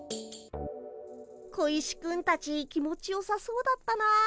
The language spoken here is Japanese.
小石くんたち気持ちよさそうだったなあ。